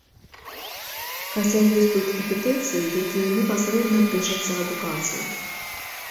Хаця ёсць тут і петыцыі, якія непасрэдна тычацца адукацыі.